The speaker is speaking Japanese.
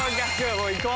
もう行こう！